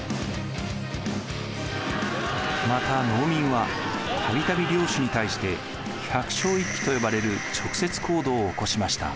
また農民はたびたび領主に対して百姓一揆と呼ばれる直接行動を起こしました。